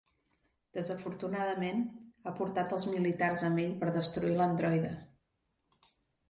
Desafortunadament, ha portat els militars amb ell per destruir l'androide.